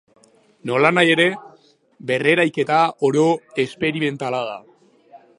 Nolanahi ere, berreraiketa oro esperimentala da.